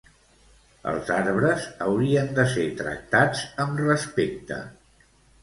Els arbres haurien de ser tractats amb respecte.